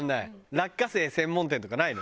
落花生専門店とかないの？